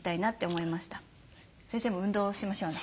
先生も運動しましょうね。